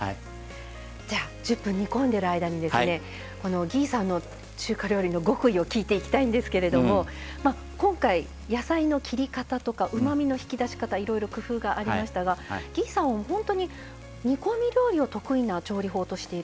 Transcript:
じゃあ１０分煮込んでる間に魏さんの中華料理の極意を聞いていきたいんですけれども今回野菜の切り方とかうまみの引き出し方いろいろ工夫がありましたが魏さんは本当に煮込み料理を得意な調理法としているそうですね。